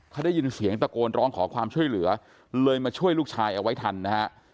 เขาได้ยินเสียงตะโกนร้องขอความช่วยเหลือเลยมาช่วยลูกชายเอาไว้ทันนะฮะ